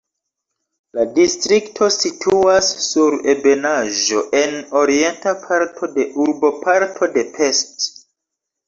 La distrikto situas sur ebenaĵo en orienta parto de urboparto de Pest.